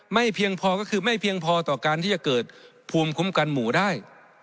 เพียงพอก็คือไม่เพียงพอต่อการที่จะเกิดภูมิคุ้มกันหมู่ได้